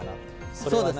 それは何？